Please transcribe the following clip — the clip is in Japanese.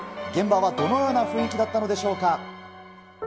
現場はどのような雰囲気だったんでしょうか。